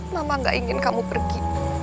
mama gak ingin kamu pergi